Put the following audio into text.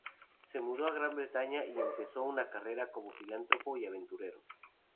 Se mudó a Gran Bretaña y empezó una carrera como filántropo y aventurero.